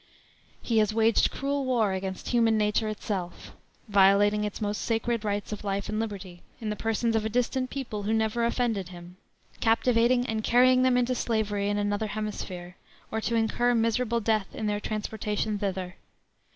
"He has waged cruel war against human nature itself, violating its most sacred rights of life and liberty, in the persons of a distant people who never offended him, captivating and carrying them into slavery in another hemisphere, or to incur miserable death in their transportation thither.